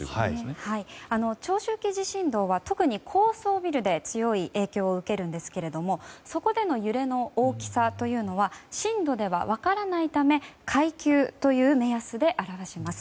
長周期地震動は特に高層ビルで強い影響を受けるんですがそこでの揺れの大きさというのは震度では分からないため階級という目安で表します。